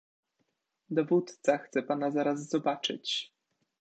"Dowódca chce pana zaraz zobaczyć."